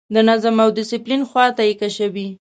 د نظم او ډسپلین خواته یې کشوي.